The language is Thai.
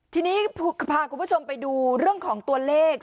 ทีนี้พาคุณผู้ชมไปดูเรื่องของตัวเลข